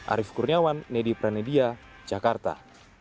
arief kurniawan nedi pranedia jakarta